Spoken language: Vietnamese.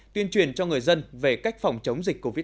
tuyên truyền cho người dân về cách phòng chống dịch covid một mươi chín